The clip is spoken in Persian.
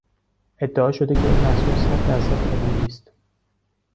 ادعا شده که این محصول صد در صد طبیعی است.